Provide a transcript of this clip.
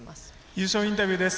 優勝インタビューです。